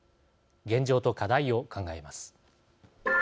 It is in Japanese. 現状と課題を考えます。